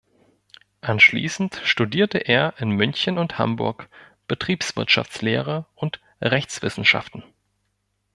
Anschließend studierte er in München und Hamburg Betriebswirtschaftslehre und Rechtswissenschaften.